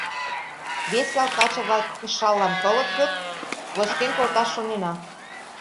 — Вес ял каче-влак Кышаллан толыт гын, лочкен колташ шонена.